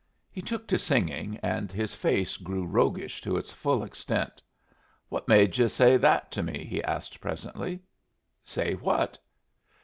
He took to singing, and his face grew roguish to its full extent. "What made yu' say that to me?" he asked, presently. "Say what?"